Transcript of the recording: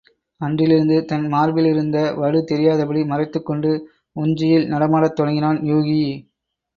அன்றிலிருந்து தன் மார்பிலிருந்த வடு தெரியாதபடி மறைத்துக்கொண்டு உஞ்சையில் நடமாடத் தொடங்கினான் யூகி.